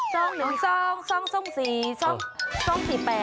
โซ่ง๑โซ่ง๔โซ่ง๘